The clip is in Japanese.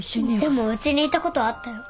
でもうちにいたことあったよ。